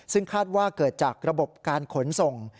ซึ่งคาดว่าเกิดจากระบบการขนส่ง